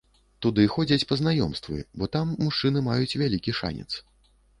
Туды ходзяць па знаёмствы, бо там мужчыны маюць вялікі шанец.